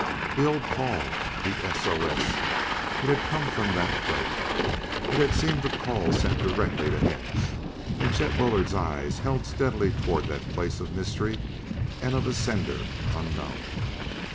The old call the S O S! it had come from that throat; it had seemed a call sent directly to him! And Chet Bullard's eyes held steadily toward that place of mystery and of a sender unknown.